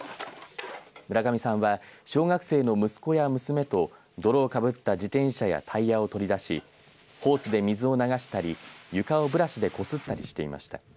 村上さんは小学生の息子や娘と泥をかぶった自転車やタイヤを取り出しホースで水を流したり床をブラシでこすったりしていました。